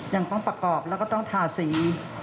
ยังต้องประกอบแล้วก็ต้องทาสี